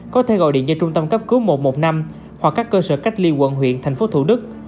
có thể gọi điện cho trung tâm cấp cứu một trăm một mươi năm hoặc các cơ sở cách ly quận huyện thành phố thủ đức